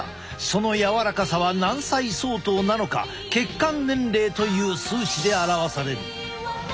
その柔らかさは何歳相当なのか血管年齢という数値で表される。